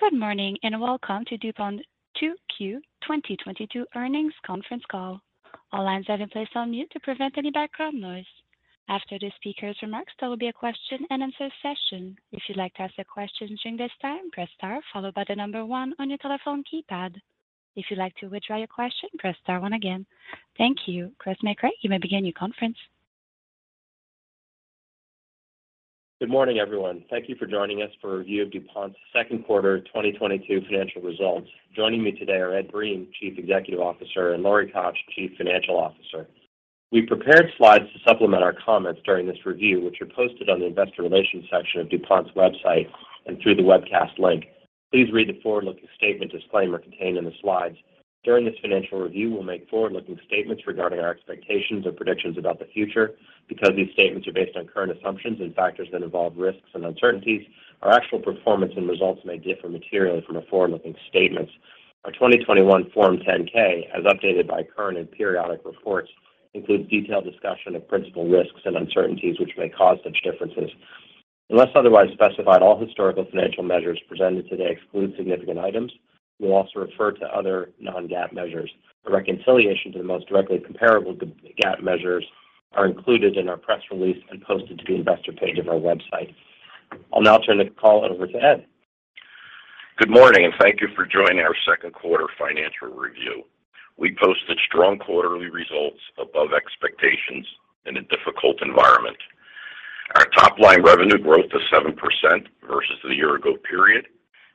Good morning, and welcome to DuPont Q2 2022 Earnings Conference Call. All lines have been placed on mute to prevent any background noise. After the speaker's remarks, there will be a Q&A session. If you'd like to ask a question during this time, press star, followed by the number one on your telephone keypad. If you'd like to withdraw your question, press star one again. Thank you. Chris Mecray, you may begin your conference. Good morning, everyone. Thank you for joining us for review of DuPont's second quarter 2022 financial results. Joining me today are Ed Breen, Chief Executive Officer, and Lori Koch, Chief Financial Officer. We prepared slides to supplement our comments during this review, which are posted on the investor relations section of DuPont's website and through the webcast link. Please read the forward-looking statement disclaimer contained in the slides. During this financial review, we'll make forward-looking statements regarding our expectations or predictions about the future. Because these statements are based on current assumptions and factors that involve risks and uncertainties, our actual performance and results may differ materially from the forward-looking statements. Our 2021 Form 10-K, as updated by current and periodic reports, includes detailed discussion of principal risks and uncertainties which may cause such differences. Unless otherwise specified, all historical financial measures presented today exclude significant items. We'll also refer to other non-GAAP measures. A reconciliation to the most directly comparable GAAP measures are included in our press release and posted to the investor page of our website. I'll now turn the call over to Ed. Good morning, and thank you for joining our second quarter financial review. We posted strong quarterly results above expectations in a difficult environment. Our top line revenue growth of 7% versus the year ago period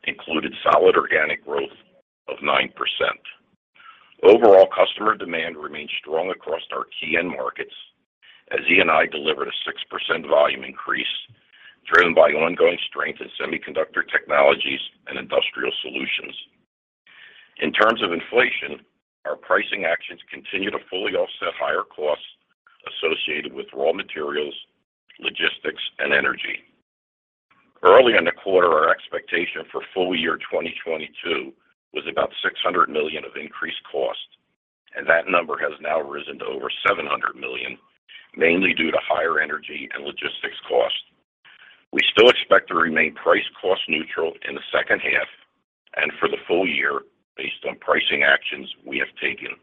included solid organic growth of 9%. Overall, customer demand remained strong across our key end markets as E&I delivered a 6% volume increase, driven by ongoing strength in Semiconductor Technologies and Industrial Solutions. In terms of inflation, our pricing actions continue to fully offset higher costs associated with raw materials, logistics, and energy. Early in the quarter, our expectation for full year 2022 was about $600 million of increased cost, and that number has now risen to over $700 million, mainly due to higher energy and logistics costs. We still expect to remain price cost neutral in the second half and for the full year based on pricing actions we have taken.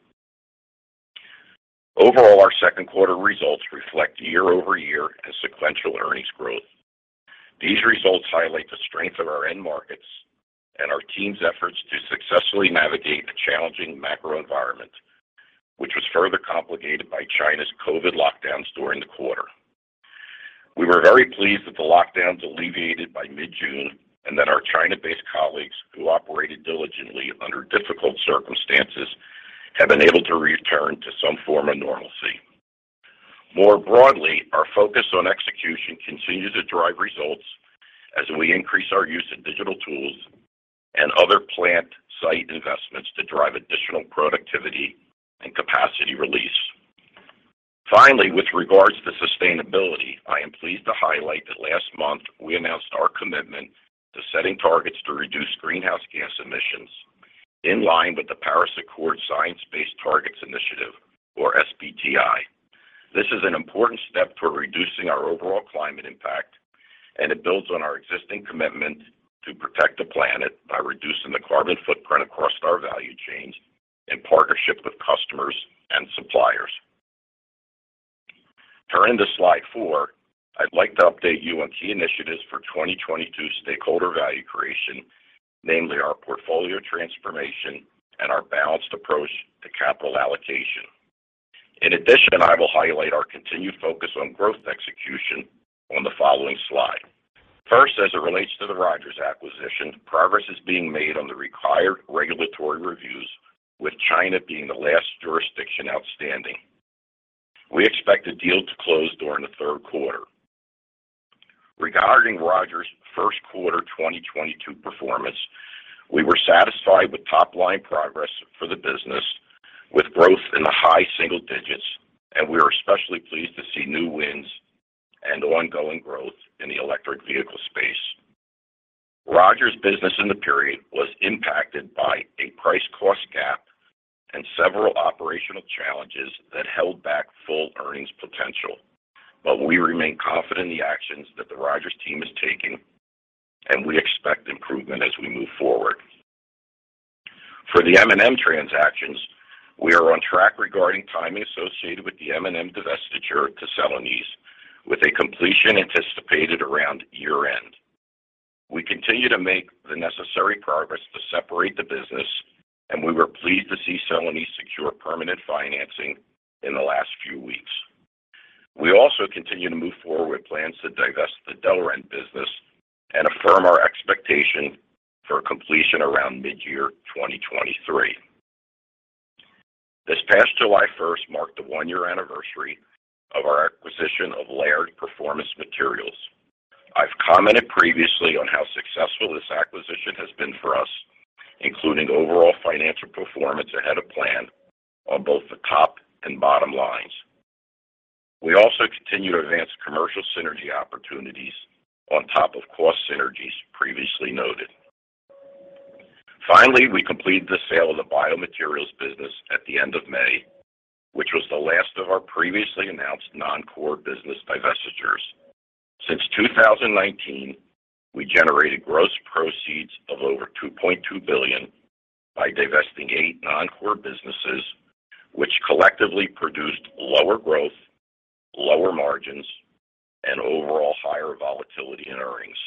Overall, our second quarter results reflect year-over-year and sequential earnings growth. These results highlight the strength of our end markets and our team's efforts to successfully navigate a challenging macro environment, which was further complicated by China's COVID lockdowns during the quarter. We were very pleased that the lockdowns alleviated by mid-June, and that our China-based colleagues who operated diligently under difficult circumstances have been able to return to some form of normalcy. More broadly, our focus on execution continues to drive results as we increase our use of digital tools and other plant site investments to drive additional productivity and capacity release. Finally, with regards to sustainability, I am pleased to highlight that last month we announced our commitment to setting targets to reduce greenhouse gas emissions in line with the Paris Agreement Science-Based Targets Initiative, or SBTI. This is an important step toward reducing our overall climate impact, and it builds on our existing commitment to protect the planet by reducing the carbon footprint across our value chains in partnership with customers and suppliers. Turning to slide four, I'd like to update you on key initiatives for 2022 stakeholder value creation, namely our portfolio transformation and our balanced approach to capital allocation. In addition, I will highlight our continued focus on growth execution on the following slide. First, as it relates to the Rogers acquisition, progress is being made on the required regulatory reviews, with China being the last jurisdiction outstanding. We expect the deal to close during the third quarter. Regarding Rogers' first quarter 2022 performance, we were satisfied with top line progress for the business, with growth in the high single digits, and we are especially pleased to see new wins and ongoing growth in the electric vehicle space. Rogers' business in the period was impacted by a price cost gap and several operational challenges that held back full earnings potential. We remain confident in the actions that the Rogers team is taking, and we expect improvement as we move forward. For the M&M transactions, we are on track regarding timing associated with the M&M divestiture to Celanese, with a completion anticipated around year-end. We continue to make the necessary progress to separate the business, and we were pleased to see Celanese secure permanent financing in the last few weeks. We continue to move forward with plans to divest the Delrin business and affirm our expectation for completion around mid-year 2023. This past July 1 marked the one-year anniversary of our acquisition of Laird Performance Materials. I've commented previously on how successful this acquisition has been for us, including overall financial performance ahead of plan on both the top and bottom lines. We also continue to advance commercial synergy opportunities on top of cost synergies previously noted. Finally, we completed the sale of the biomaterials business at the end of May, which was the last of our previously announced non-core business divestitures. Since 2019, we generated gross proceeds of over $2.2 billion by divesting eight non-core businesses, which collectively produced lower growth, lower margins, and overall higher volatility in earnings.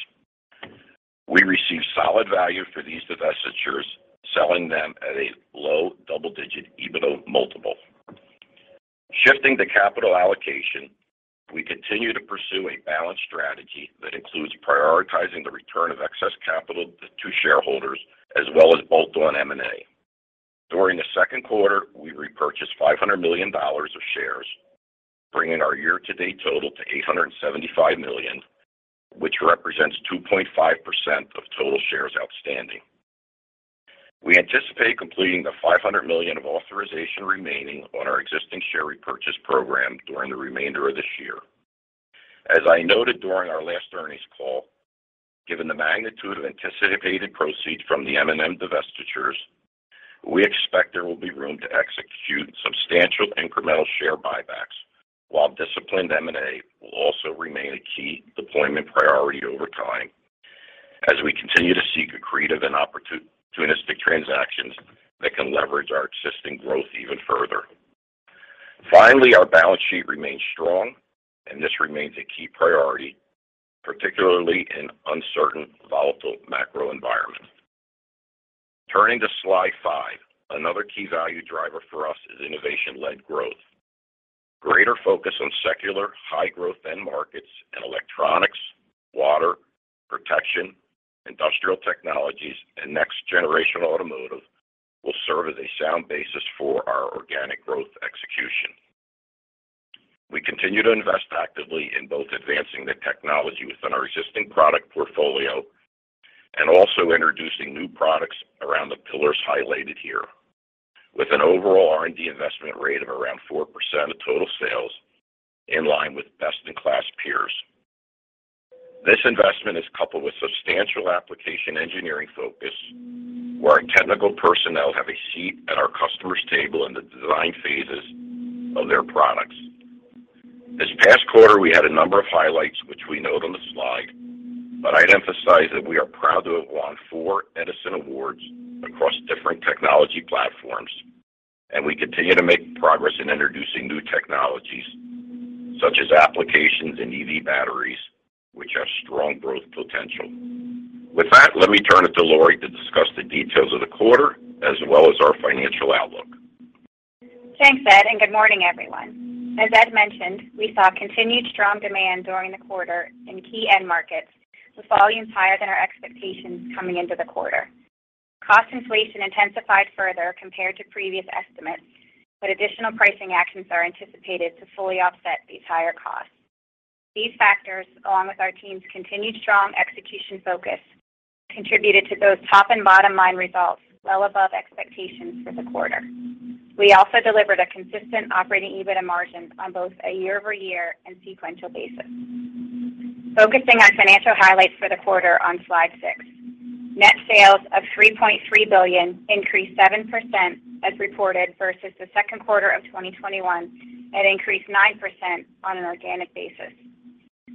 We received solid value for these divestitures, selling them at a low double-digit EBITDA multiple. Shifting to capital allocation, we continue to pursue a balanced strategy that includes prioritizing the return of excess capital to shareholders as well as bolt-on M&A. During the second quarter, we repurchased $500 million of shares, bringing our year-to-date total to $875 million, which represents 2.5% of total shares outstanding. We anticipate completing the $500 million of authorization remaining on our existing share repurchase program during the remainder of this year. As I noted during our last earnings call, given the magnitude of anticipated proceeds from the M&M divestitures, we expect there will be room to execute substantial incremental share buybacks, while disciplined M&A will also remain a key deployment priority over time as we continue to seek accretive and opportunistic transactions that can leverage our existing growth even further. Finally, our balance sheet remains strong, and this remains a key priority, particularly in uncertain, volatile macro environments. Turning to slide five, another key value driver for us is innovation-led growth. Greater focus on secular, high-growth end markets in electronics, water, protection, industrial technologies, and next-generation automotive will serve as a sound basis for our organic growth execution. We continue to invest actively in both advancing the technology within our existing product portfolio and also introducing new products around the pillars highlighted here, with an overall R&D investment rate of around 4% of total sales in line with best-in-class peers. This investment is coupled with substantial application engineering focus, where our technical personnel have a seat at our customers' table in the design phases of their products. This past quarter, we had a number of highlights, which we note on the slide, but I'd emphasize that we are proud to have won four Edison Awards across different technology platforms, and we continue to make progress in introducing new technologies, such as applications in EV batteries, which have strong growth potential. With that, let me turn it to Lori to discuss the details of the quarter as well as our financial outlook. Thanks, Ed, and good morning, everyone. As Ed mentioned, we saw continued strong demand during the quarter in key end markets, with volumes higher than our expectations coming into the quarter. Cost inflation intensified further compared to previous estimates, but additional pricing actions are anticipated to fully offset these higher costs. These factors, along with our team's continued strong execution focus, contributed to those top-and-bottom-line results well above expectations for the quarter. We also delivered a consistent operating EBITDA margin on both a year-over-year and sequential basis. Focusing on financial highlights for the quarter on slide six. Net sales of $3.3 billion increased 7% as reported versus the second quarter of 2021 and increased 9% on an organic basis.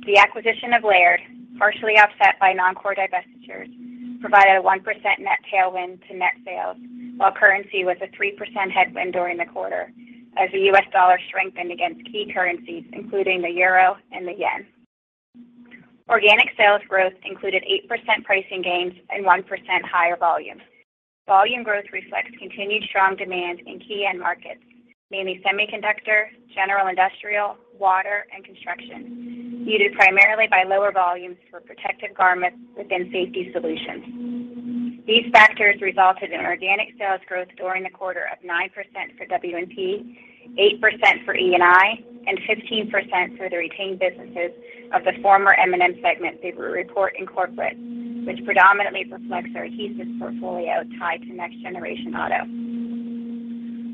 The acquisition of Laird, partially offset by non-core divestitures, provided a 1% net tailwind to net sales, while currency was a 3% headwind during the quarter as the U.S. dollar strengthened against key currencies, including the euro and the yen. Organic sales growth included 8% pricing gains and 1% higher volume. Volume growth reflects continued strong demand in key end markets, namely semiconductor, general industrial, water, and construction, muted primarily by lower volumes for protective garments within Safety Solutions. These factors resulted in organic sales growth during the quarter of 9% for W&P, 8% for E&I, and 15% for the retained businesses of the former M&M segment that we report in corporate, which predominantly reflects our adhesives portfolio tied to next-generation auto.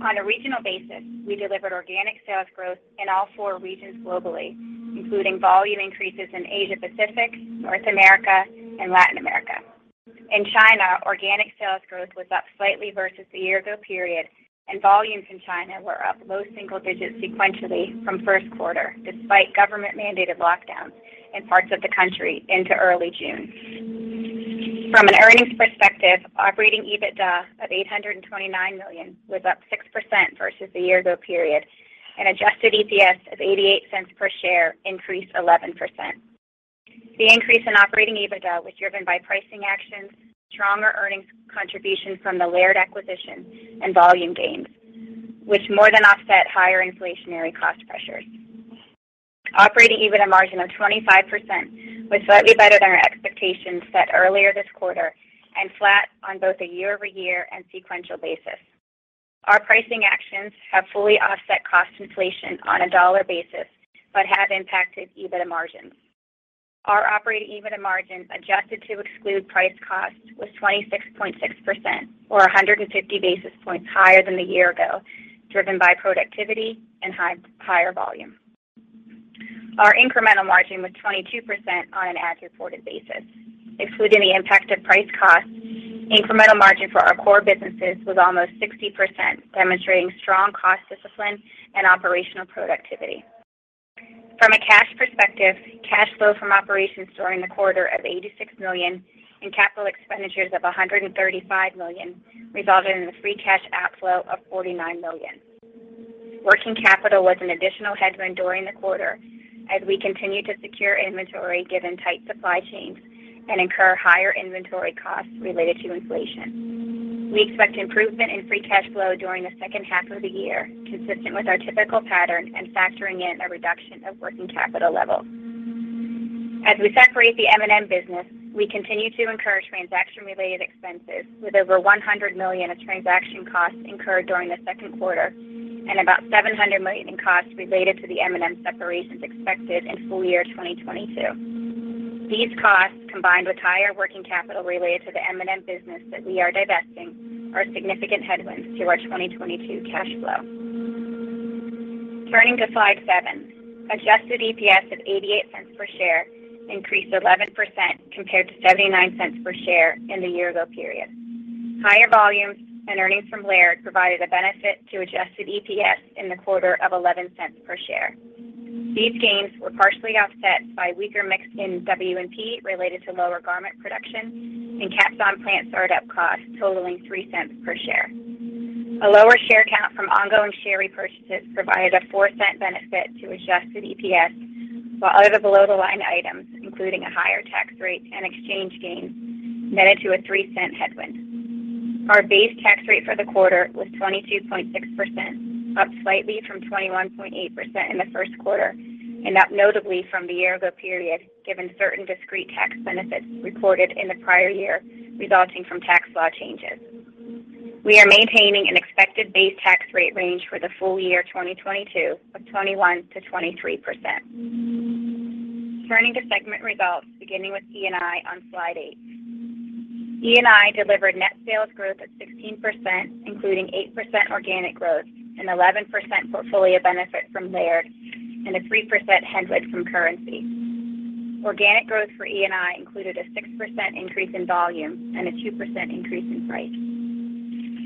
On a regional basis, we delivered organic sales growth in all four regions globally, including volume increases in Asia Pacific, North America, and Latin America. In China, organic sales growth was up slightly versus the year-ago period, and volumes in China were up low single digits sequentially from first quarter despite government-mandated lockdowns in parts of the country into early June. From an earnings perspective, operating EBITDA of $829 million was up 6% versus the year-ago period, and adjusted EPS of $0.88 per share increased 11%. The increase in operating EBITDA was driven by pricing actions, stronger earnings contributions from the Laird acquisition, and volume gains, which more than offset higher inflationary cost pressures. Operating EBITDA margin of 25% was slightly better than our expectations set earlier this quarter and flat on both a year-over-year and sequential basis. Our pricing actions have fully offset cost inflation on a dollar basis but have impacted EBITDA margins. Our operating EBITDA margins adjusted to exclude price costs was 26.6% or 150 basis points higher than the year ago, driven by productivity and higher volume. Our incremental margin was 22% on an as-reported basis. Excluding the impact of price costs, incremental margin for our core businesses was almost 60%, demonstrating strong cost discipline and operational productivity. From a cash perspective, cash flow from operations during the quarter of $86 million and capital expenditures of $135 million resulted in a free cash outflow of $49 million. Working capital was an additional headwind during the quarter as we continued to secure inventory given tight supply chains and incur higher inventory costs related to inflation. We expect improvement in free cash flow during the second half of the year, consistent with our typical pattern and factoring in a reduction of working capital levels. As we separate the M&M business, we continue to incur transaction-related expenses with over $100 million of transaction costs incurred during the second quarter and about $700 million in costs related to the M&M separations expected in full year 2022. These costs, combined with higher working capital related to the M&M business that we are divesting, are significant headwinds to our 2022 cash flow. Turning to slide seven. Adjusted EPS of $0.88 per share increased 11% compared to $0.79 per share in the year ago period. Higher volumes and earnings from Laird provided a benefit to adjusted EPS in the quarter of $0.11 per share. These gains were partially offset by weaker mix in W&P related to lower garment production and Capstone plant startup costs totaling $0.03 per share. A lower share count from ongoing share repurchases provided a $0.04 benefit to adjusted EPS, while other below-the-line items, including a higher tax rate and exchange gains, netted to a $0.03 headwind. Our base tax rate for the quarter was 22.6%, up slightly from 21.8% in the first quarter, and up notably from the year ago period, given certain discrete tax benefits reported in the prior year resulting from tax law changes. We are maintaining an expected base tax rate range for the full year 2022 of 21%-23%. Turning to segment results, beginning with E&I on slide eight. E&I delivered net sales growth of 16%, including 8% organic growth, an 11% portfolio benefit from Laird, and a 3% headwind from currency. Organic growth for E&I included a 6% increase in volume and a 2% increase in price.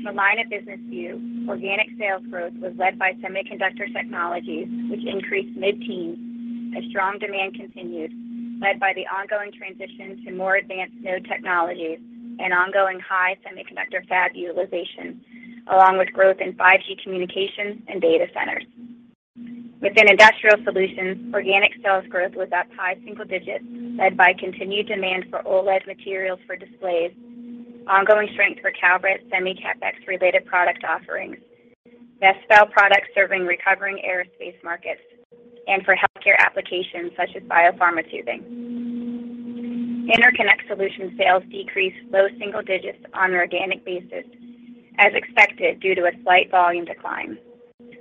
From a line of business view, organic sales growth was led by Semiconductor Technologies, which increased mid-teens as strong demand continued, led by the ongoing transition to more advanced node technologies and ongoing high semiconductor fab utilization, along with growth in 5G communications and data centers. Within Industrial Solutions, organic sales growth was up high single digits, led by continued demand for OLED materials for displays, ongoing strength for Kalrez semi CapEx related product offerings, Vespel products serving recovering aerospace markets, and for healthcare applications such as biopharma tubing. Interconnect Solutions sales decreased low single digits on an organic basis as expected due to a slight volume decline.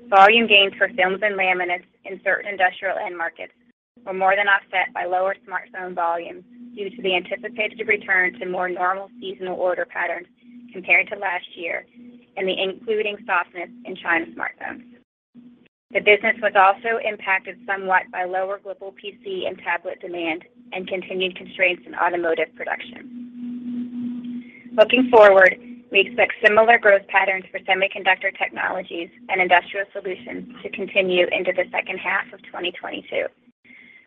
Volume gains for films and laminates in certain industrial end markets were more than offset by lower smartphone volumes due to the anticipated return to more normal seasonal order patterns compared to last year and including softness in China smartphones. The business was also impacted somewhat by lower global PC and tablet demand and continued constraints in automotive production. Looking forward, we expect similar growth patterns for Semiconductor Technologies and Industrial Solutions to continue into the second half of 2022.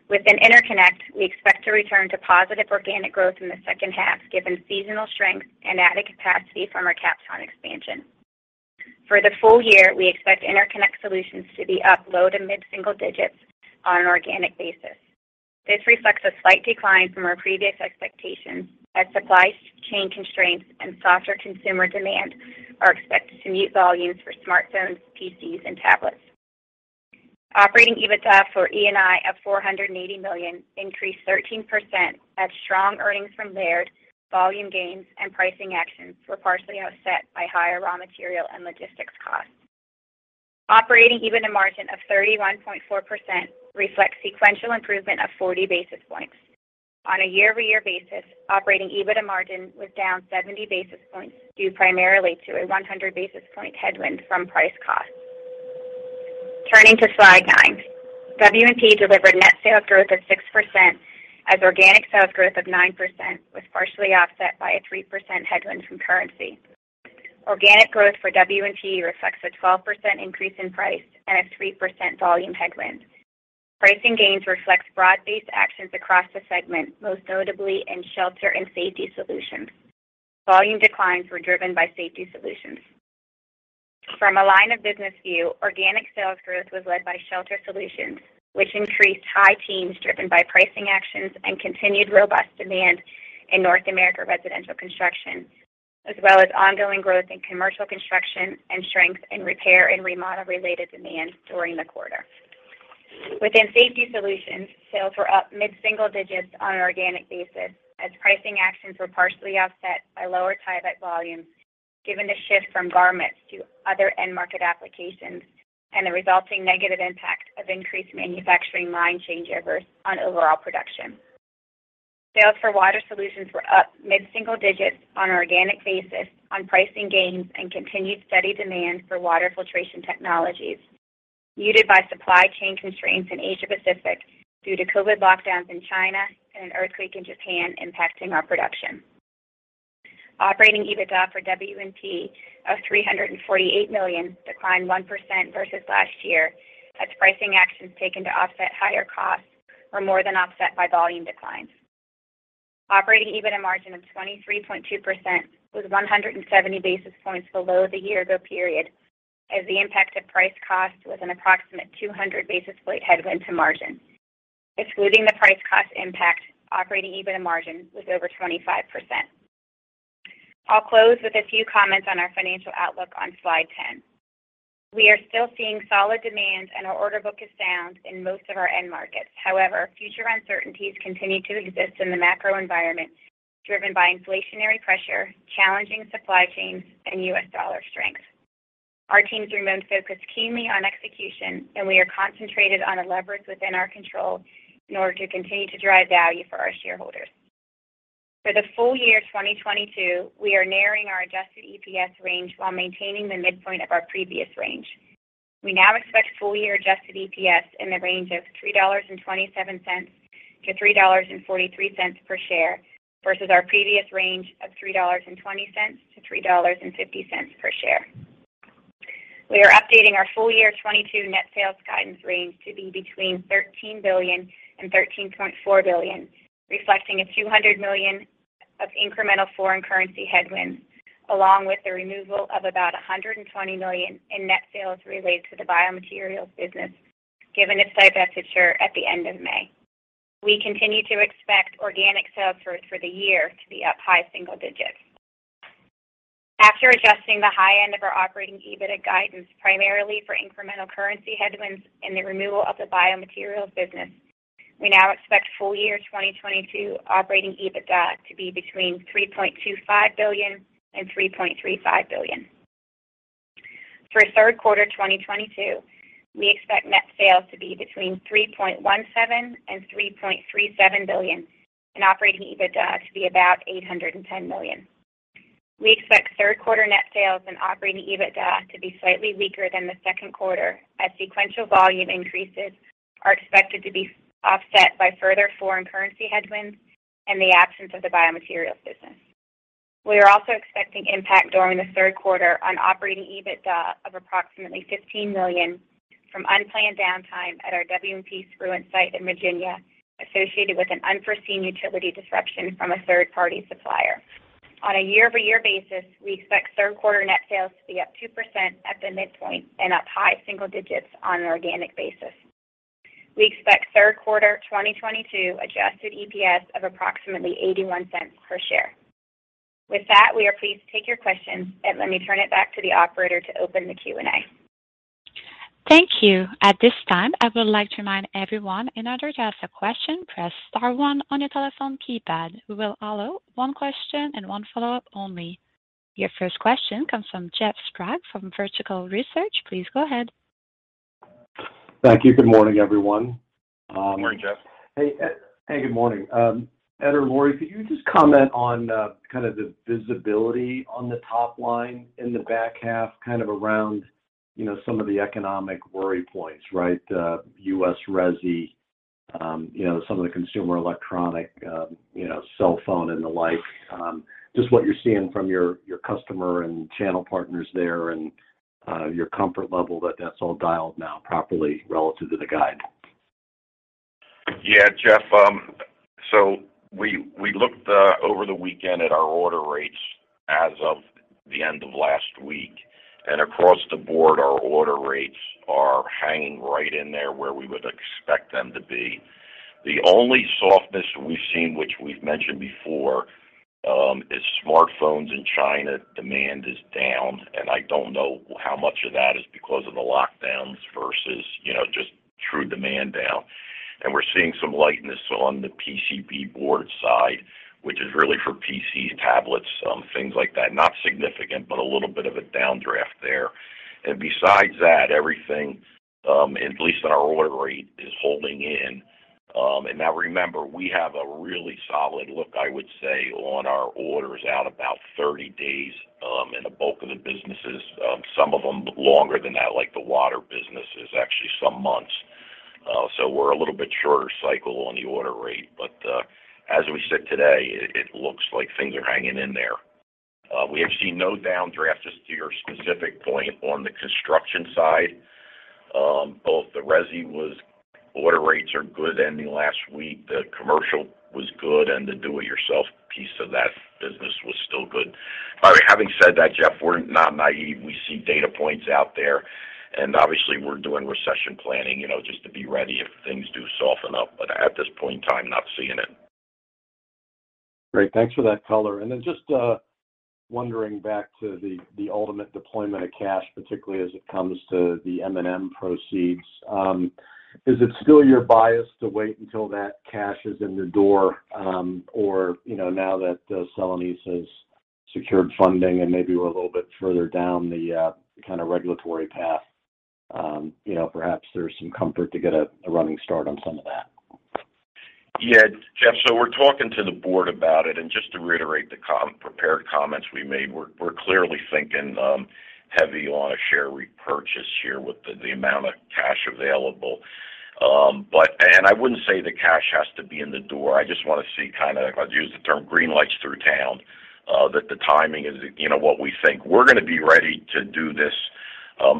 Within Interconnect, we expect to return to positive organic growth in the second half given seasonal strength and added capacity from our Capstone expansion. For the full year, we expect Interconnect Solutions to be up low to mid single digits on an organic basis. This reflects a slight decline from our previous expectations as supply chain constraints and softer consumer demand are expected to mute volumes for smartphones, PCs, and tablets. Operating EBITDA for E&I of $480 million increased 13% as strong earnings from Laird, volume gains, and pricing actions were partially offset by higher raw material and logistics costs. Operating EBITDA margin of 31.4% reflects sequential improvement of 40 basis points. On a year-over-year basis, operating EBITDA margin was down 70 basis points due primarily to a 100 basis point headwind from price costs. Turning to slide nine. W&P delivered net sales growth of 6% as organic sales growth of 9% was partially offset by a 3% headwind from currency. Organic growth for W&P reflects a 12% increase in price and a 3% volume headwind. Pricing gains reflect broad-based actions across the segment, most notably in Shelter Solutions and Safety Solutions. Volume declines were driven by Safety Solutions. From a line of business view, organic sales growth was led by Shelter Solutions, which increased high teens driven by pricing actions and continued robust demand in North America residential construction, as well as ongoing growth in commercial construction and strength in repair and remodel related demand during the quarter. Within Safety Solutions, sales were up mid-single digits on an organic basis as pricing actions were partially offset by lower Tyvek volumes given the shift from garments to other end market applications and the resulting negative impact of increased manufacturing line changeovers on overall production. Sales for Water Solutions were up mid-single digits on an organic basis on pricing gains and continued steady demand for water filtration technologies, muted by supply chain constraints in Asia Pacific due to COVID lockdowns in China and an earthquake in Japan impacting our production. Operating EBITDA for W&P of $348 million declined 1% versus last year as pricing actions taken to offset higher costs were more than offset by volume declines. Operating EBITDA margin of 23.2% was 170 basis points below the year ago period as the impact of price cost was an approximate 200 basis point headwind to margin. Excluding the price cost impact, operating EBITDA margin was over 25%. I'll close with a few comments on our financial outlook on slide 10. We are still seeing solid demand, and our order book is sound in most of our end markets. However, future uncertainties continue to exist in the macro environment driven by inflationary pressure, challenging supply chains, and U.S. dollar strength. Our teams remain focused keenly on execution, and we are concentrated on the levers within our control in order to continue to drive value for our shareholders. For the full year 2022, we are narrowing our adjusted EPS range while maintaining the midpoint of our previous range. We now expect full year adjusted EPS in the range of $3.27-$3.43 per share versus our previous range of $3.20-$3.50 per share. We are updating our full year 2022 net sales guidance range to be between $13 billion and $13.4 billion, reflecting $200 million of incremental foreign currency headwinds, along with the removal of about $120 million in net sales related to the biomaterials business given its divestiture at the end of May. We continue to expect organic sales growth for the year to be up high single digits. After adjusting the high end of our operating EBITDA guidance primarily for incremental currency headwinds and the removal of the biomaterials business, we now expect full year 2022 operating EBITDA to be between $3.25 billion and $3.35 billion. For third quarter 2022, we expect net sales to be between $3.17 billion and $3.37 billion, and operating EBITDA to be about $810 million. We expect third quarter net sales and operating EBITDA to be slightly weaker than the second quarter as sequential volume increases are expected to be offset by further foreign currency headwinds and the absence of the biomaterials business. We are also expecting impact during the third quarter on operating EBITDA of approximately $15 million from unplanned downtime at our W&P Spruance site in Virginia associated with an unforeseen utility disruption from a third-party supplier. On a year-over-year basis, we expect third quarter net sales to be up 2% at the midpoint and up high single digits on an organic basis. We expect third quarter 2022 adjusted EPS of approximately $0.81 per share. With that, we are pleased to take your questions. Let me turn it back to the operator to open the Q&A. Thank you. At this time, I would like to remind everyone in order to ask a question, press star one on your telephone keypad. We will allow one question and one follow-up only. Your first question comes from Jeffrey Sprague from Vertical Research. Please go ahead. Thank you. Good morning, everyone. Good morning, Jeff. Hey, Ed. Hey, good morning. Ed or Lori, could you just comment on kind of the visibility on the top line in the back half kind of around, you know, some of the economic worry points, right? U.S. resi, you know, some of the consumer electronics, you know, cell phone and the like. Just what you're seeing from your customer and channel partners there and your comfort level that that's all dialed now properly relative to the guide. Yeah, Jeff, so we looked over the weekend at our order rates as of the end of last week. Across the board, our order rates are hanging right in there where we would expect them to be. The only softness we've seen, which we've mentioned before, is smartphones in China. Demand is down, and I don't know how much of that is because of the lockdowns versus, you know, just true demand down. We're seeing some lightness on the PCB board side, which is really for PCs, tablets, things like that. Not significant, but a little bit of a downdraft there. Besides that, everything, at least in our order rate, is holding in. Now remember, we have a really solid look, I would say, on our orders out about 30 days, in the bulk of the businesses. Some of them longer than that. Like, the water business is actually some months. We're a little bit shorter cycle on the order rate, but as we sit today, it looks like things are hanging in there. We have seen no downdrafts as to your specific point on the construction side. Both the residential and commercial order rates are good ending last week, and the do it yourself piece of that business was still good. Having said that, Jeff, we're not naive. We see data points out there. Obviously we're doing recession planning, you know, just to be ready if things do soften up. At this point in time, not seeing it. Great. Thanks for that color. Just wondering back to the ultimate deployment of cash, particularly as it comes to the M&M proceeds. Is it still your bias to wait until that cash is in the door, or you know, now that Celanese has secured funding and maybe we're a little bit further down the kinda regulatory path? You know, perhaps there's some comfort to get a running start on some of that. Yeah. Jeff, so we're talking to the board about it, and just to reiterate the prepared comments we made, we're clearly thinking heavy on a share repurchase here with the amount of cash available. I wouldn't say the cash has to be in the door. I just wanna see kinda, if I'd use the term, green lights through town, that the timing is, you know, what we think. We're gonna be ready to do this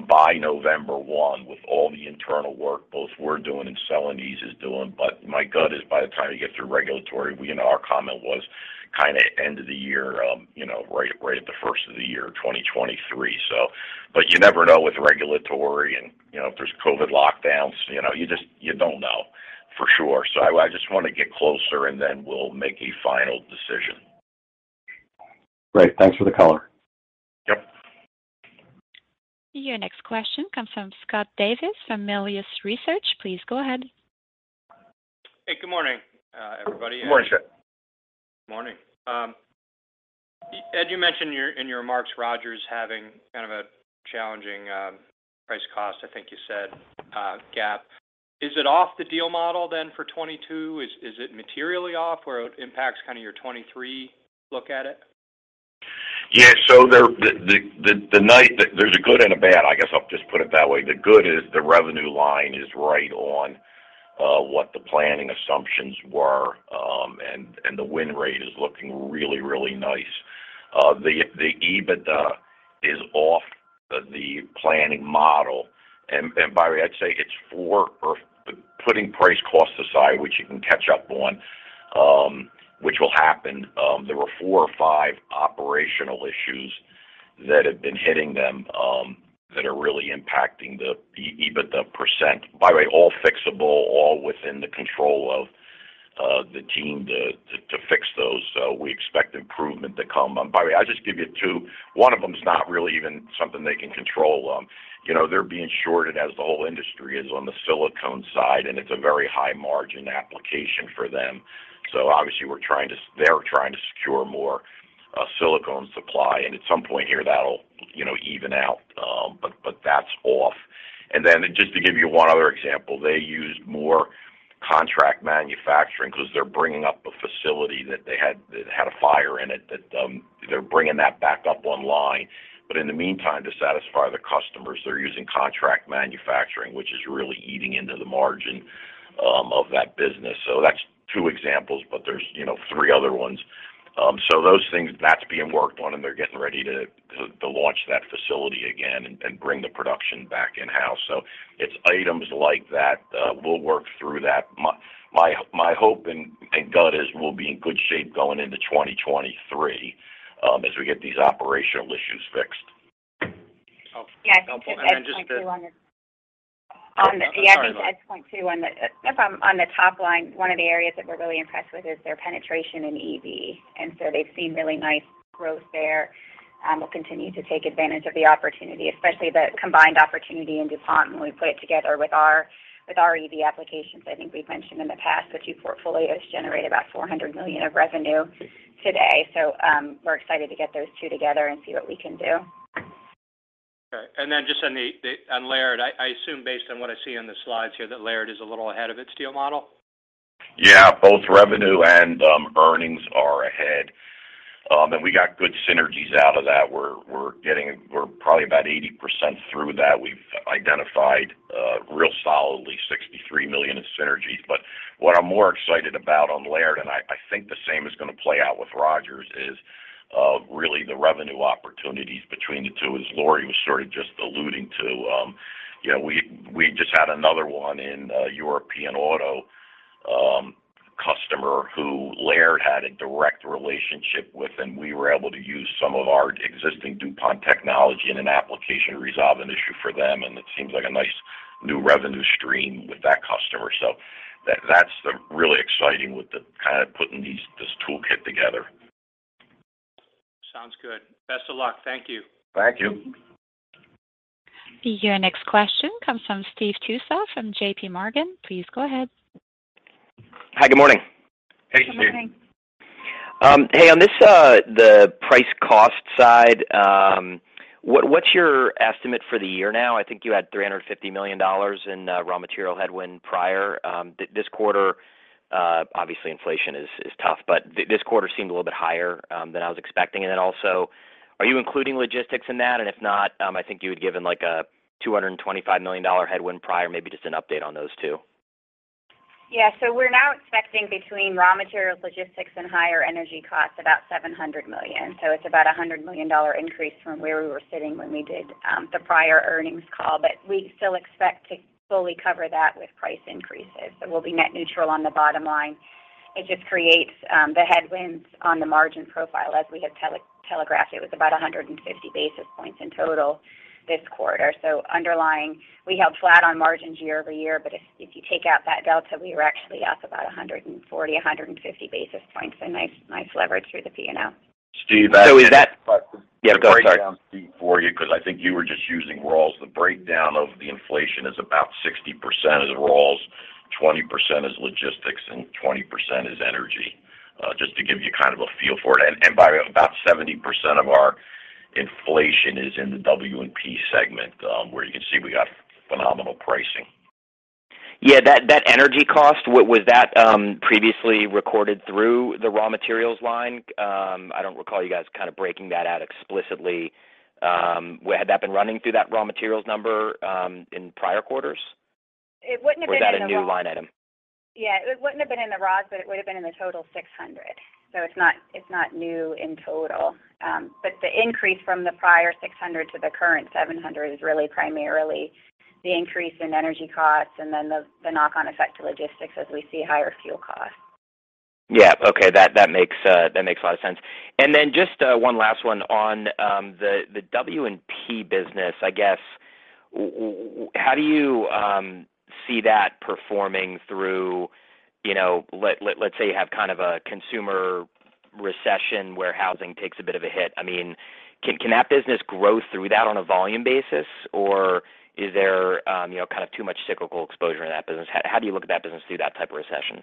by November 1 with all the internal work both we're doing and Celanese is doing. My gut is by the time you get through regulatory, you know, our comment was kinda end of the year, right at the first of the year, 2023. You never know with regulatory and, you know, if there's COVID lockdowns. You know, you don't know for sure. I just wanna get closer, and then we'll make a final decision. Great. Thanks for the color. Yep. Your next question comes from Scott Davis from Melius Research. Please go ahead. Hey, good morning, everybody. Good morning, Scott. Morning. As you mentioned in your remarks, Rogers having kind of a challenging price-cost, I think you said, gap. Is it off the deal model then for 2022? Is it materially off where it impacts kind of your 2023 look at it? Yeah. There's a good and a bad, I guess I'll just put it that way. The good is the revenue line is right on what the planning assumptions were, and the win rate is looking really nice. The EBITDA is off the planning model. By the way, putting price/cost aside, which you can catch up on, which will happen, there were four or five operational issues that have been hitting them, that are really impacting the EBITDA percent. By the way, all fixable, all within the control of the team to fix those. We expect improvement to come. By the way, I'll just give you two. One of them is not really even something they can control. You know, they're being shorted as the whole industry is on the silicone side, and it's a very high-margin application for them. Obviously, they're trying to secure more silicone supply. At some point here, that'll, you know, even out. That's off. Then just to give you one other example, they used more contract manufacturing 'cause they're bringing up a facility that they had that had a fire in it, they're bringing that back up online. In the meantime, to satisfy the customers, they're using contract manufacturing, which is really eating into the margin of that business. That's two examples, but there's, you know, three other ones. Those things, that's being worked on, and they're getting ready to launch that facility again and bring the production back in-house. It's items like that, we'll work through that. My hope and gut is we'll be in good shape going into 2023, as we get these operational issues fixed. Helpful. And then just the- Yeah, I think I'd point to on the. Oh, I'm sorry, Lori. Yeah, I think I'd point, too, on the, if I'm on the top line, one of the areas that we're really impressed with is their penetration in EV. They've seen really nice growth there. We'll continue to take advantage of the opportunity, especially the combined opportunity in DuPont when we put it together with our EV applications. I think we've mentioned in the past, the two portfolios generate about $400 million of revenue today. We're excited to get those two together and see what we can do. All right. Just on Laird, I assume based on what I see on the slides here, that Laird is a little ahead of its deal model. Yeah. Both revenue and earnings are ahead. We got good synergies out of that. We're getting about 80% through that. We've identified really solidly $63 million of synergies. What I'm more excited about on Laird, and I think the same is gonna play out with Rogers, is really the revenue opportunities between the two, as Lori was sort of just alluding to. You know, we just had another one in European auto customer who Laird had a direct relationship with, and we were able to use some of our existing DuPont technology in an application to resolve an issue for them, and it seems like a nice new revenue stream with that customer. That's really exciting with the kind of putting this toolkit together. Sounds good. Best of luck. Thank you. Thank you. Your next question comes from Steve Tusa from JPMorgan. Please go ahead. Hi, good morning. Hey, Steve. Good morning. Hey, on the price cost side, what's your estimate for the year now? I think you had $350 million in raw material headwind prior. This quarter, obviously inflation is tough, but this quarter seemed a little bit higher than I was expecting. Also, are you including logistics in that? If not, I think you had given, like a $225 million headwind prior, maybe just an update on those two. Yeah. We're now expecting between raw materials, logistics, and higher energy costs, about $700 million. It's about a $100 million increase from where we were sitting when we did the prior earnings call. We still expect to fully cover that with price increases. We'll be net neutral on the bottom line. It just creates the headwinds on the margin profile, as we have telegraphed. It was about 150 basis points in total this quarter. Underlying, we held flat on margins year-over-year, if you take out that delta, we were actually up about 140-150 basis points. Nice leverage through the P&L. Steve, that. Is that But the- Yeah, go. Sorry. I'll breakdown, Steve, for you, 'cause I think you were just using raws. The breakdown of the inflation is about 60% is raws, 20% is logistics, and 20% is energy. Just to give you kind of a feel for it. By about 70% of our inflation is in the W&P segment, where you can see we got phenomenal pricing. Yeah. That energy cost, was that previously recorded through the raw materials line? I don't recall you guys kind of breaking that out explicitly. Had that been running through that raw materials number in prior quarters? It wouldn't have been in the raw. Was that a new line item? Yeah. It wouldn't have been in the raws, but it would have been in the total $600. It's not new in total. The increase from the prior $600 to the current $700 is really primarily the increase in energy costs and then the knock-on effect to logistics as we see higher fuel costs. Yeah. Okay. That makes a lot of sense. Just one last one on the W&P business. I guess how do you see that performing through, you know. Let's say you have kind of a consumer recession where housing takes a bit of a hit. I mean, can that business grow through that on a volume basis, or is there kind of too much cyclical exposure in that business? How do you look at that business through that type of recession?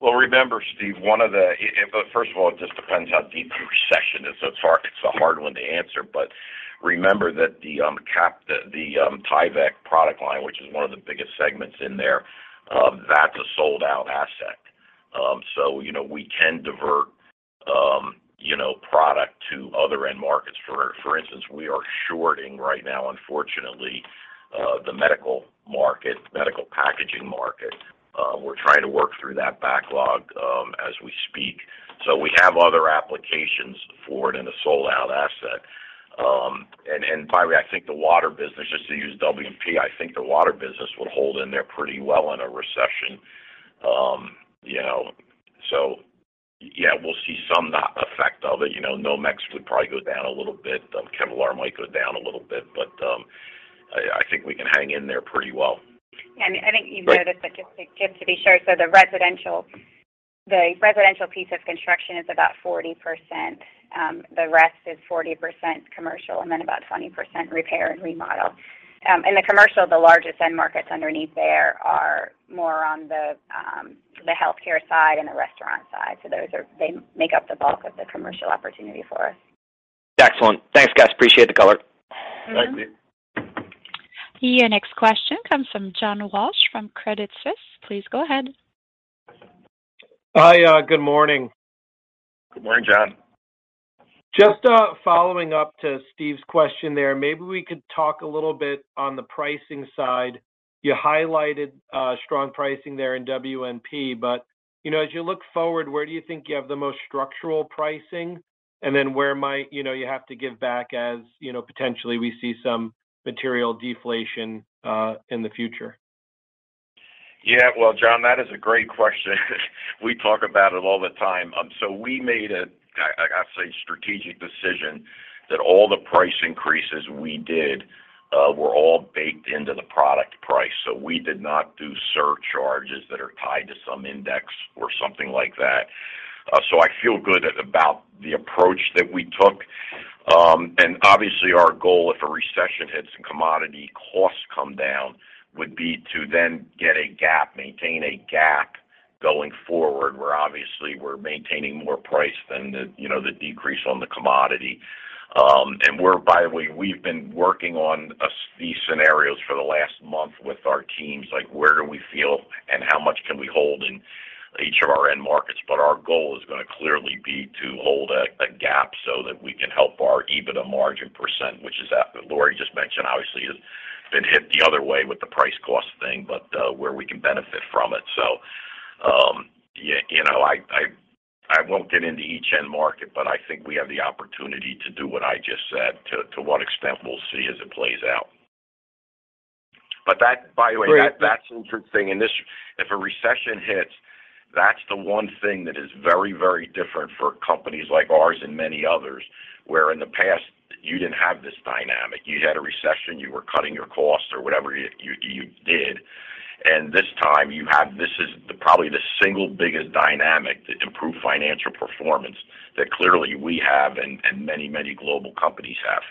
Well, remember, Steve. First of all, it just depends how deep the recession is, so it's hard. It's a hard one to answer. Remember that the Tyvek product line, which is one of the biggest segments in there, that's a sold-out asset. So, you know, we can divert, you know, product to other end markets. For instance, we are shorting right now, unfortunately, the medical market, medical packaging market. We're trying to work through that backlog, as we speak. We have other applications for it in a sold-out asset. And by the way, I think the water business, just to use W&P, I think the water business would hold in there pretty well in a recession. You know, yeah, we'll see some effect of it. You know, Nomex would probably go down a little bit. Kevlar might go down a little bit. I think we can hang in there pretty well. Yeah. I think you know this, but just to be sure. The residential piece of construction is about 40%. The rest is 40% commercial and then about 20% repair and remodel. In the commercial, the largest end markets underneath there are more on the healthcare side and the restaurant side. Those are, they make up the bulk of the commercial opportunity for us. Excellent. Thanks, guys. Appreciate the color. Thanks, Steve. Your next question comes from John Walsh from Credit Suisse. Please go ahead. Hi. Good morning. Good morning, John. Just, following up to Steve's question there. Maybe we could talk a little bit on the pricing side. You highlighted strong pricing there in W&P, but, you know, as you look forward, where do you think you have the most structural pricing? And then where might, you know, you have to give back as, you know, potentially we see some material deflation in the future? Yeah. Well, John, that is a great question. We talk about it all the time. We made a strategic decision that all the price increases we did were all baked into the product price. We did not do surcharges that are tied to some index or something like that. I feel good about the approach that we took. Obviously, our goal, if a recession hits and commodity costs come down, would be to then get a gap, maintain a gap going forward, where obviously we're maintaining more price than the, you know, the decrease on the commodity. By the way, we've been working on these scenarios for the last month with our teams, like, where do we feel and how much can we hold in each of our end markets. Our goal is gonna clearly be to hold a gap so that we can help our EBITDA margin percent, which is that Lori just mentioned, obviously, has been hit the other way with the price cost thing, but where we can benefit from it. You know, I won't get into each end market, but I think we have the opportunity to do what I just said. To what extent we'll see as it plays out. That, by the way, that's interesting. This. If a recession hits, that's the one thing that is very, very different for companies like ours and many others. Where in the past you didn't have this dynamic. You had a recession, you were cutting your costs or whatever you did. This is probably the single biggest dynamic to improve financial performance that clearly we have and many, many global companies have.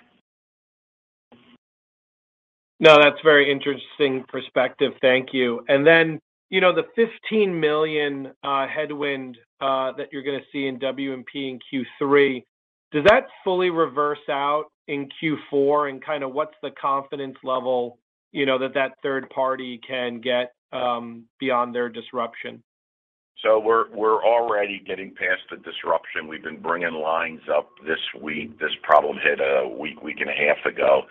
No, that's very interesting perspective. Thank you. You know, the $15 million headwind that you're gonna see in W&P in Q3, does that fully reverse out in Q4, and kind of what's the confidence level, you know, that that third party can get beyond their disruption? We're already getting past the disruption. We've been bringing lines up this week. This problem hit a week and a half ago.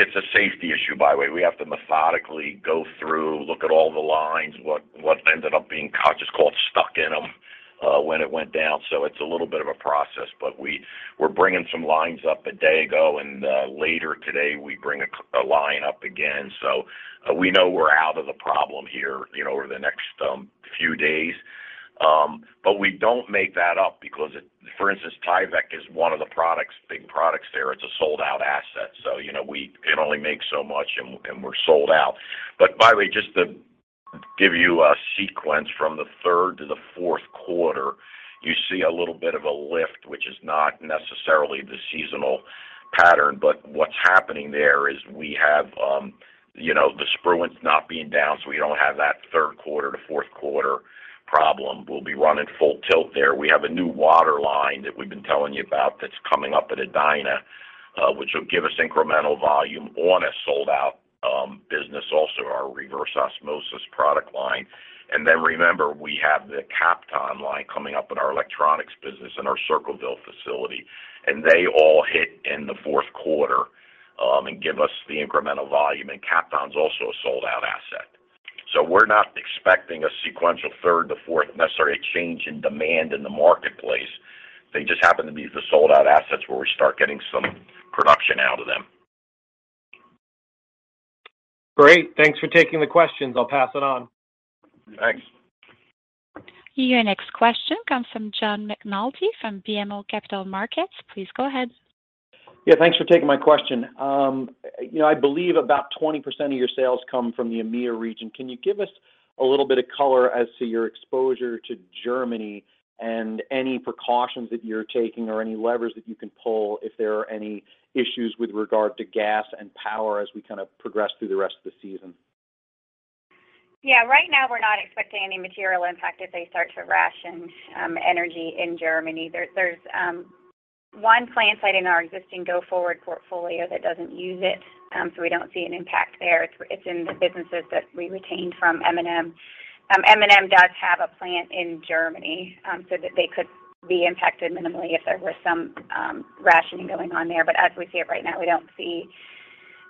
It's a safety issue, by the way. We have to methodically go through, look at all the lines, what ended up being caught, just called stuck in them, when it went down. It's a little bit of a process. We're bringing some lines up a day ago, and later today we bring a line up again. We know we're out of the problem here, you know, over the next few days. We don't make that up because it. For instance, Tyvek is one of the products, big products there. It's a sold-out asset. You know, we can only make so much and we're sold out. By the way, just to give you a sequence from the third to the fourth quarter, you see a little bit of a lift, which is not necessarily the seasonal pattern. What's happening there is we have, you know, the Spruance site's not being down, so we don't have that third quarter to fourth quarter problem. We'll be running full tilt there. We have a new water line that we've been telling you about that's coming up at Edina, which will give us incremental volume on a sold-out business, also our reverse osmosis product line. Then remember, we have the Kapton line coming up in our electronics business in our Circleville facility, and they all hit in the fourth quarter and give us the incremental volume. Kapton's also a sold-out asset. We're not expecting a sequential third to fourth quarter change in demand in the marketplace. They just happen to be the sold-out assets where we start getting some production out of them. Great. Thanks for taking the questions. I'll pass it on. Thanks. Your next question comes from John McNulty from BMO Capital Markets. Please go ahead. Yeah, thanks for taking my question. You know, I believe about 20% of your sales come from the EMEA region. Can you give us a little bit of color as to your exposure to Germany and any precautions that you're taking or any levers that you can pull if there are any issues with regard to gas and power as we kind of progress through the rest of the season? Right now, we're not expecting any material impact if they start to ration energy in Germany. There's one plant site in our existing go-forward portfolio that doesn't use it, so we don't see an impact there. It's in the businesses that we retained from Mobility & Materials. Mobility & Materials does have a plant in Germany, so that they could be impacted minimally if there was some rationing going on there. But as we see it right now, we don't see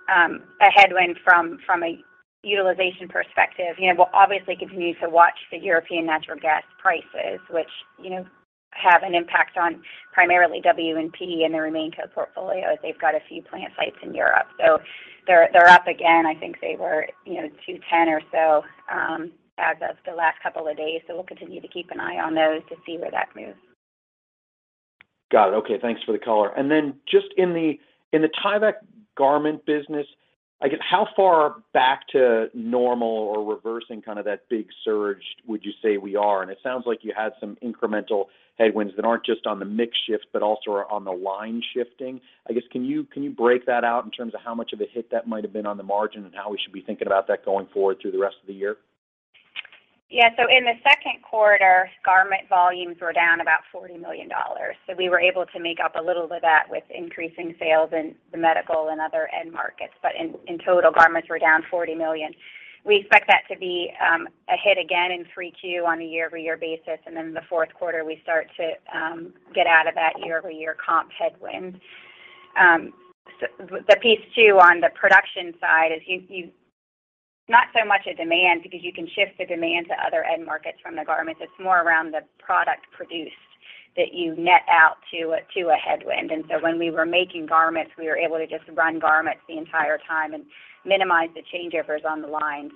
a headwind from a utilization perspective. You know, we'll obviously continue to watch the European natural gas prices, which, you know, have an impact on primarily W&P and the RemainCo portfolio as they've got a few plant sites in Europe. So they're up again. I think they were, you know, 210 or so as of the last couple of days. We'll continue to keep an eye on those to see where that moves. Got it. Okay, thanks for the color. Just in the Tyvek garment business, I guess how far back to normal or reversing kind of that big surge would you say we are? It sounds like you had some incremental headwinds that aren't just on the mix shift but also are on the line shifting. I guess, can you break that out in terms of how much of a hit that might have been on the margin and how we should be thinking about that going forward through the rest of the year? Yeah. In the second quarter, garment volumes were down about $40 million. We were able to make up a little of that with increasing sales in the medical and other end markets. In total, garments were down $40 million. We expect that to be a hit again in Q3 on a year-over-year basis, and then in the fourth quarter, we start to get out of that year-over-year comp headwind. The piece, too, on the production side is not so much a demand because you can shift the demand to other end markets from the garments. It's more around the product produced that you net out to a headwind. When we were making garments, we were able to just run garments the entire time and minimize the changeovers on the lines.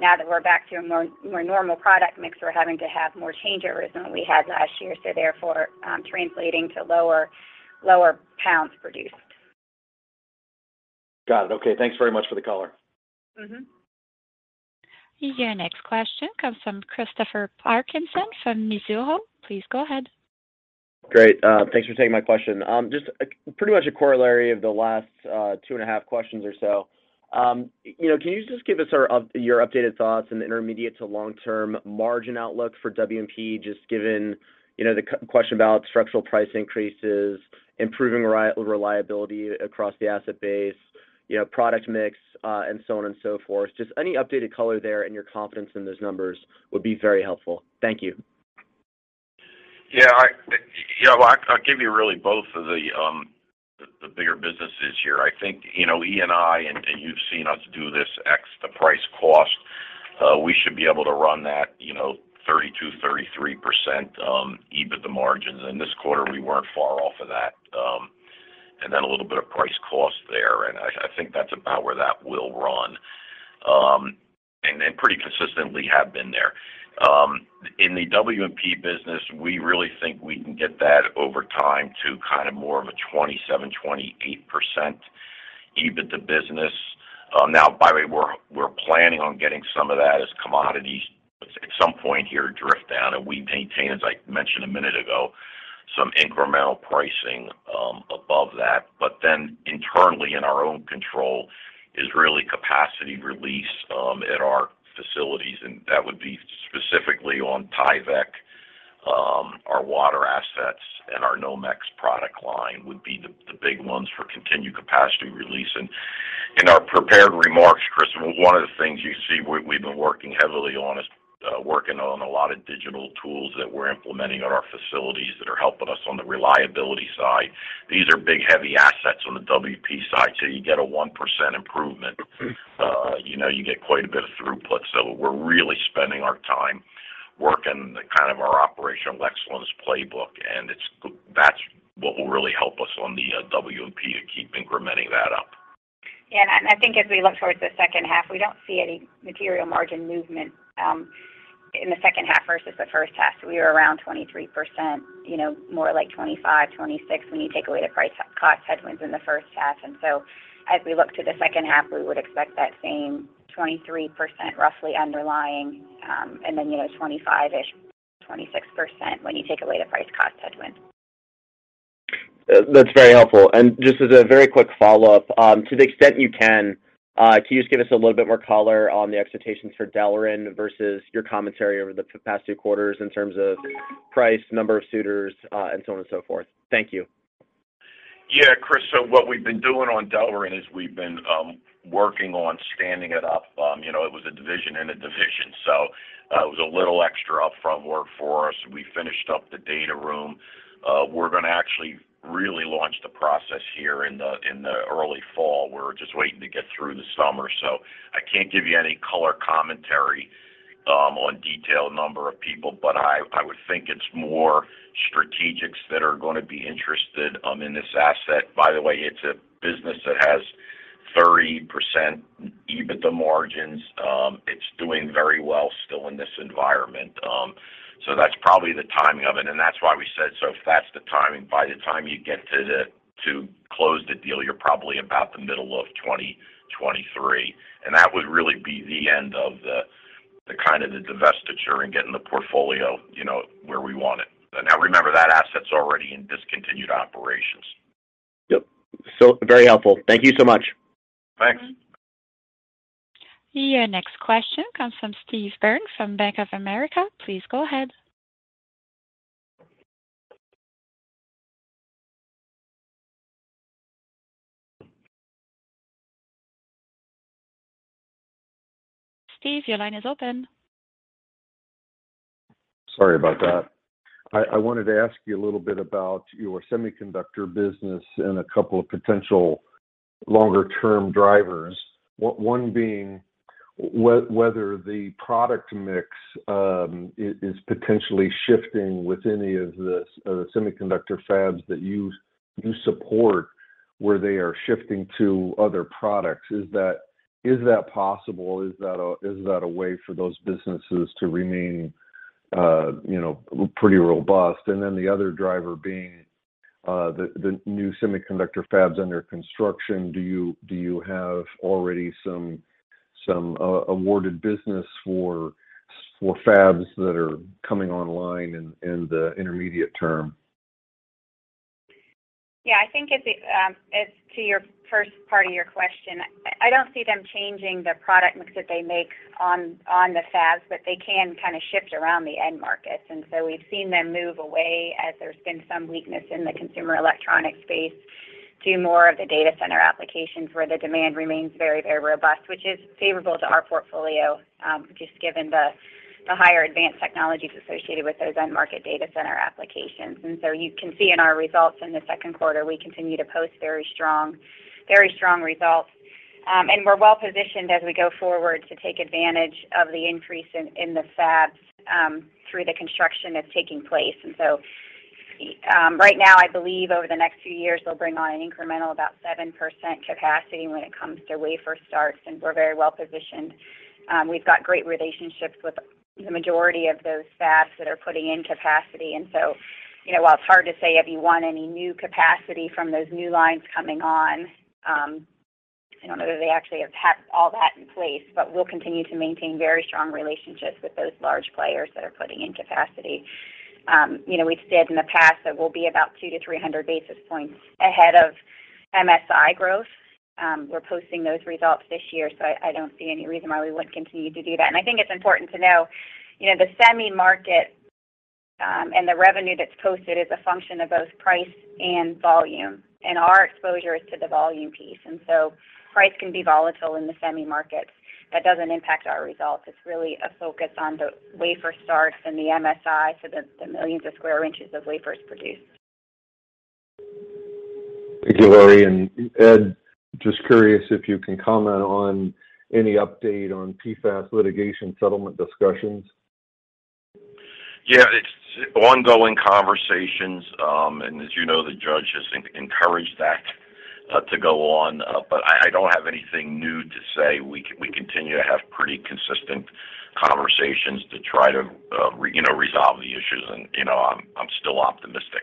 Now that we're back to a more normal product mix, we're having to have more changeovers than we had last year, so therefore, translating to lower pounds produced. Got it. Okay, thanks very much for the color. Your next question comes from Christopher Parkinson from Mizuho. Please go ahead. Great. Thanks for taking my question. Just, pretty much a corollary of the last, two and a half questions or so. You know, can you just give us, your updated thoughts on the intermediate to long-term margin outlook for W&P, just given, you know, the question about structural price increases, improving reliability across the asset base, you know, product mix, and so on and so forth? Just any updated color there and your confidence in those numbers would be very helpful. Thank you. Yeah. You know, I'll give you really both of the bigger businesses here. I think, you know, E&I, and you've seen us do this ex the price cost, we should be able to run that, you know, 32%-33% EBITDA margins. This quarter, we weren't far off of that. Then a little bit of price cost there, and I think that's about where that will run, and pretty consistently have been there. In the W&P business, we really think we can get that over time to kind of more of a 27%-28% EBIT to business. Now, by the way, we're planning on getting some of that as commodities at some point here drift down, and we maintain, as I mentioned a minute ago, some incremental pricing above that. Internally in our own control is really capacity release at our facilities, and that would be specifically on Tyvek. Our water assets and our Nomex product line would be the big ones for continued capacity release. In our prepared remarks, Chris, one of the things you see we've been working heavily on is working on a lot of digital tools that we're implementing at our facilities that are helping us on the reliability side. These are big, heavy assets on the W&P side, so you get a 1% improvement. You know, you get quite a bit of throughput. We're really spending our time working kind of our operational excellence playbook, and that's what will really help us on the W&P to keep incrementing that up. Yeah. I think as we look towards the second half, we don't see any material margin movement in the second half versus the first half. We were around 23%, you know, more like 25%, 26% when you take away the price cost headwinds in the first half. We would expect that same 23% roughly underlying, and then, you know, 25-ish%, 26% when you take away the price cost headwinds. That's very helpful. Just as a very quick follow-up, to the extent you can you just give us a little bit more color on the expectations for Delrin versus your commentary over the past two quarters in terms of price, number of suitors, and so on and so forth? Thank you. Yeah, Chris, what we've been doing on Delrin is we've been working on standing it up. You know, it was a division in a division, so it was a little extra upfront work for us. We finished up the data room. We're gonna actually really launch the process here in the early fall. We're just waiting to get through the summer. I can't give you any color commentary on detailed number of people, but I would think it's more strategics that are gonna be interested in this asset. By the way, it's a business that has 30% EBITDA margins. It's doing very well still in this environment. That's probably the timing of it, and that's why we said so fast the timing. By the time you get to close the deal, you're probably about the middle of 2023, and that would really be the end of the kind of divestiture and getting the portfolio, you know, where we want it. Now remember that asset's already in discontinued operations. Yep. Very helpful. Thank you so much. Thanks. Your next question comes from Steve Byrne from Bank of America. Please go ahead. Steve, your line is open. Sorry about that. I wanted to ask you a little bit about your semiconductor business and a couple of potential longer term drivers. One being whether the product mix is potentially shifting with any of the semiconductor fabs that you support, where they are shifting to other products. Is that possible? Is that a way for those businesses to remain, you know, pretty robust? Then the other driver being the new semiconductor fabs under construction. Do you have already some awarded business for fabs that are coming online in the intermediate term? I think as to your first part of your question, I don't see them changing the product mix that they make on the fabs, but they can kinda shift around the end markets. We've seen them move away as there's been some weakness in the consumer electronics space to more of the data center applications where the demand remains very robust, which is favorable to our portfolio, just given the higher advanced technologies associated with those end market data center applications. You can see in our results in the second quarter, we continue to post very strong results. We're well-positioned as we go forward to take advantage of the increase in the fabs through the construction that's taking place. Right now, I believe over the next few years, they'll bring on an incremental about 7% capacity when it comes to wafer starts, and we're very well-positioned. We've got great relationships with the majority of those fabs that are putting in capacity. You know, while it's hard to say if you want any new capacity from those new lines coming on, I don't know that they actually have all that in place, but we'll continue to maintain very strong relationships with those large players that are putting in capacity. You know, we've said in the past that we'll be about 200-300 basis points ahead of MSI growth. We're posting those results this year, so I don't see any reason why we wouldn't continue to do that. I think it's important to know, you know, the semi market, and the revenue that's posted is a function of both price and volume, and our exposure is to the volume piece. Price can be volatile in the semi markets. That doesn't impact our results. It's really a focus on the wafer starts and the MSI, so the millions of square inches of wafers produced. Thank you, Lori. Ed, just curious if you can comment on any update on PFAS litigation settlement discussions. Yeah. It's ongoing conversations. As you know, the judge has encouraged that to go on. I don't have anything new to say. We continue to have pretty consistent conversations to try to, you know, resolve the issues. You know, I'm still optimistic.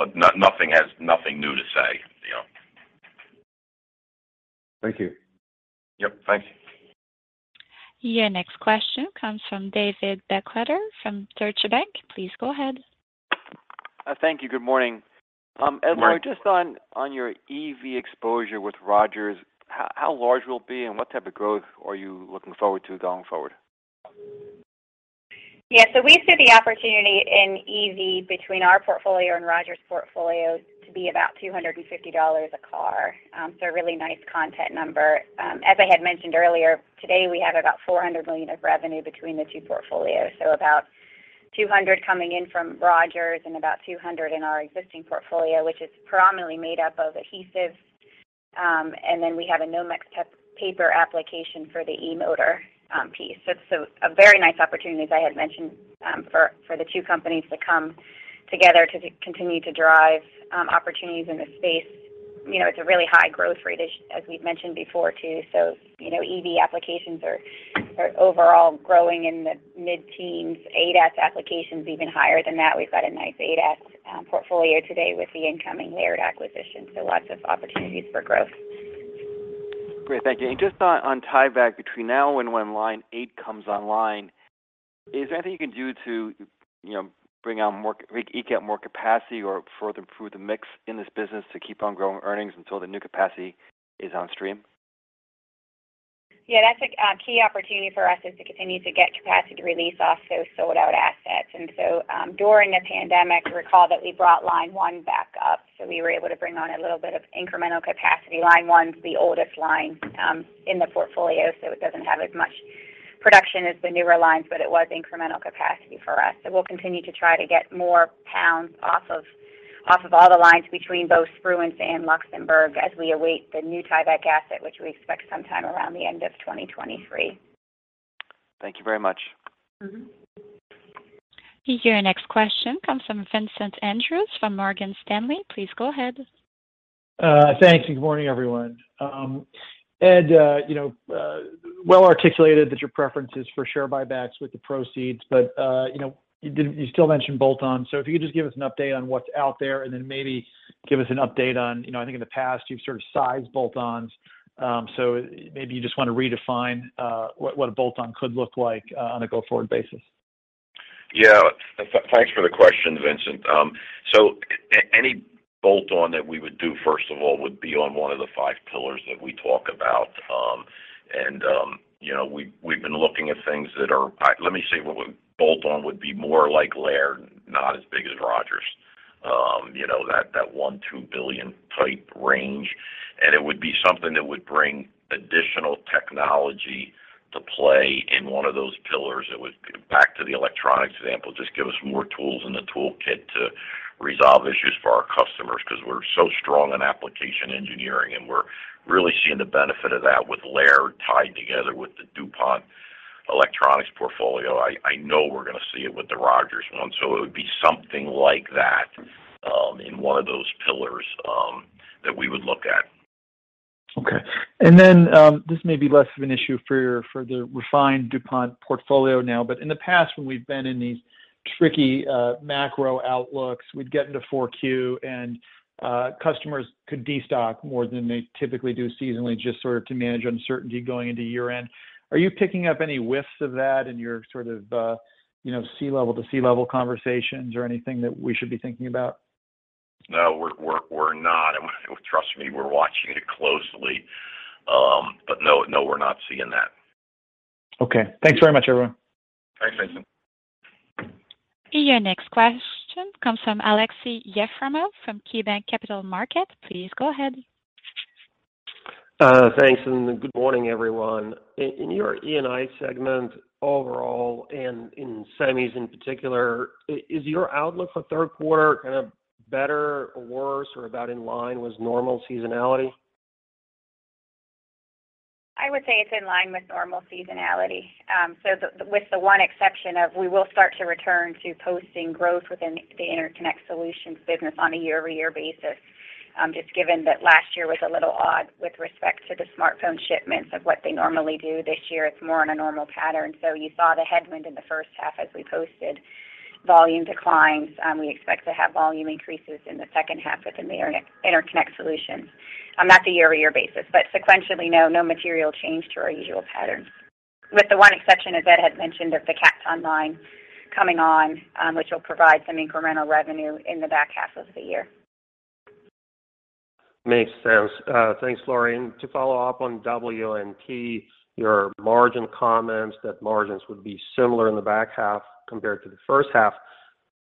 Nothing new to say, you know. Thank you. Yep. Thanks. Your next question comes from David Begleiter from Deutsche Bank. Please go ahead. Thank you. Good morning. Good morning. Ed and Lori, just on your EV exposure with Rogers, how large will it be, and what type of growth are you looking forward to going forward? Yeah. We see the opportunity in EV between our portfolio and Rogers portfolio to be about $250 a car. So a really nice content number. As I had mentioned earlier, today we have about $400 million of revenue between the two portfolios, so about $200 coming in from Rogers and about $200 in our existing portfolio, which is predominantly made up of adhesives, and then we have a Nomex paper application for the e-motor piece. It's a very nice opportunity, as I had mentioned, for the two companies to come together to continue to drive opportunities in this space. You know, it's a really high growth rate as we've mentioned before too. You know, EV applications are overall growing in the mid-teens%. ADAS applications even higher than that. We've got a nice ADAS portfolio today with the incoming Laird acquisition, so lots of opportunities for growth. Great. Thank you. Just on Tyvek between now and when line eight comes online, is there anything you can do to, you know, eke out more capacity or further improve the mix in this business to keep on growing earnings until the new capacity is on stream? Yeah. That's a key opportunity for us, is to continue to get capacity release off those sold-out assets. During the pandemic, recall that we brought line one back up, so we were able to bring on a little bit of incremental capacity. Line one's the oldest line in the portfolio, so it doesn't have as much production as the newer lines, but it was incremental capacity for us. We'll continue to try to get more pounds off of all the lines between both Spruance and Luxembourg as we await the new Tyvek asset, which we expect sometime around the end of 2023. Thank you very much. Your next question comes from Vincent Andrews from Morgan Stanley. Please go ahead. Thanks, and good morning, everyone. Ed, you know, well articulated that your preference is for share buybacks with the proceeds, but you know, you still mentioned bolt-on. If you could just give us an update on what's out there, and then maybe give us an update on, you know, I think in the past you've sort of sized bolt-ons, so maybe you just wanna redefine what a bolt-on could look like on a go-forward basis. Yeah. Thanks for the question, Vincent. Any bolt-on that we would do, first of all, would be on one of the five pillars that we talk about. You know, we've been looking at things. Let me say, what bolt-on would be more like Laird, not as big as Rogers. You know, that $1 billion-$2 billion type range. It would be something that would bring additional technology to play in one of those pillars. It would, back to the electronics example, just give us more tools in the toolkit to resolve issues for our customers because we're so strong in application engineering, and we're really seeing the benefit of that with Laird tied together with the DuPont electronics portfolio. I know we're gonna see it with the Rogers one. It would be something like that, in one of those pillars, that we would look at. Okay. This may be less of an issue for the refined DuPont portfolio now, but in the past, when we've been in these tricky macro outlooks, we'd get into Q4, and customers could destock more than they typically do seasonally just sort of to manage uncertainty going into year-end. Are you picking up any whiffs of that in your sort of you know, C-level to C-level conversations or anything that we should be thinking about? No, we're not. Trust me, we're watching it closely. But no, we're not seeing that. Okay. Thanks very much, everyone. Thanks, Vincent. Your next question comes from Aleksey Yefremov from KeyBanc Capital Markets. Please go ahead. Thanks, and good morning, everyone. In your E&I segment overall and in semis in particular, is your outlook for third quarter kind of better or worse or about in line with normal seasonality? I would say it's in line with normal seasonality. With the one exception of we will start to return to posting growth within the Interconnect Solutions business on a year-over-year basis. Just given that last year was a little odd with respect to the smartphone shipments of what they normally do. This year it's more on a normal pattern. You saw the headwind in the first half as we posted volume declines. We expect to have volume increases in the second half within the Interconnect Solutions, at the year-over-year basis. Sequentially, no material change to our usual pattern, with the one exception as Ed had mentioned of the Kapton line coming on, which will provide some incremental revenue in the back half of the year. Makes sense. Thanks, Lori. To follow up on W&P, your margin comments that margins would be similar in the back half compared to the first half,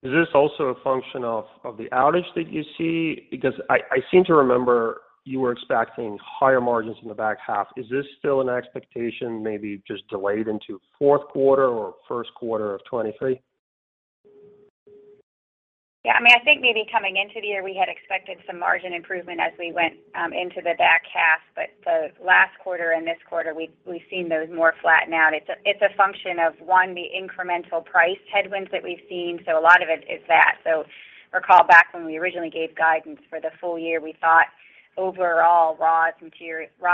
is this also a function of the outage that you see? Because I seem to remember you were expecting higher margins in the back half. Is this still an expectation maybe just delayed into fourth quarter or first quarter of 2023? Yeah. I mean, I think maybe coming into the year, we had expected some margin improvement as we went into the back half. The last quarter and this quarter, we've seen those more flatten out. It's a function of, one, the incremental price headwinds that we've seen, so a lot of it is that. Recall back when we originally gave guidance for the full year, we thought overall raw